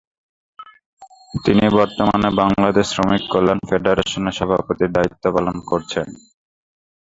তিনি বর্তমানে বাংলাদেশ শ্রমিক কল্যাণ ফেডারেশনের সভাপতির দায়িত্ব পালন করছেন।